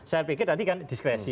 saya pikir tadi kan diskresi